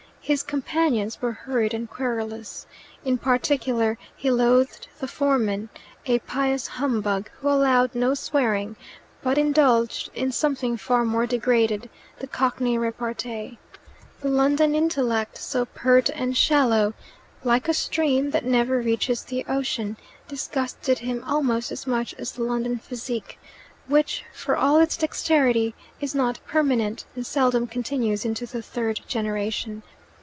His companions were hurried and querulous. In particular, he loathed the foreman, a pious humbug who allowed no swearing, but indulged in something far more degraded the Cockney repartee. The London intellect, so pert and shallow, like a stream that never reaches the ocean, disgusted him almost as much as the London physique, which for all its dexterity is not permanent, and seldom continues into the third generation.